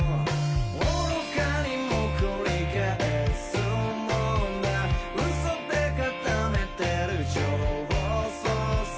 愚かにも繰り返すもんだ嘘で固めている情報操作